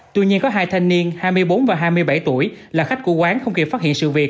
tuy nhiên có hai thanh niên hai mươi bốn và hai mươi bảy tuổi là khách của quán không kịp phát hiện sự việc